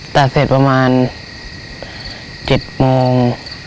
ตัดเสร็จประมาณ๗โมง